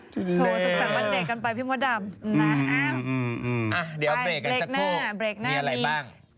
โถสุขสรรค์วันเด็กกันไปพี่มด่ำ